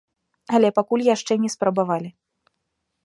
Але пакуль яшчэ не спрабавалі.